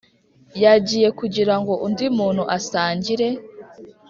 yagiye kugirango undi muntu asangire